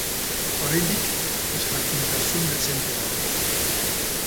Oraindik ezjakintasun dezente dago.